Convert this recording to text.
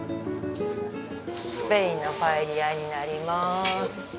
スペインのパエリアになります。